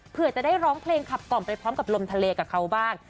เพื่อจะได้ร้องเพลงขับกล่อมไปพร้อมกับลมทะเลกับเขาบ้าง